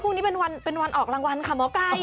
นี้เป็นวันออกรางวัลค่ะหมอไก่